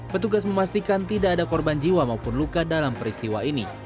petugas memastikan tidak ada korban jiwa maupun luka dalam peristiwa ini